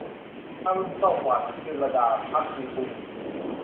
อรุณสวัสดิ์ - จุลลดา ภักดีภูมินทร์